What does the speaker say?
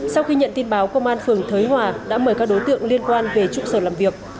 sau khi nhận tin báo công an phường thới hòa đã mời các đối tượng liên quan về trụ sở làm việc